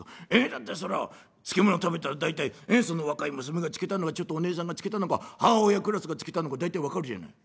だってそれは漬物食べたら大体その若い娘が漬けたのかちょっとおねえさんが漬けたのか母親クラスが漬けたのか大体分かるじゃない」。